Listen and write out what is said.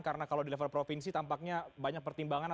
karena kalau di level provinsi tampaknya banyak pertimbangan